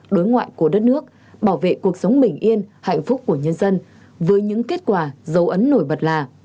đối ngoại của đất nước bảo vệ cuộc sống bình yên hạnh phúc của nhân dân với những kết quả dấu ấn nổi bật là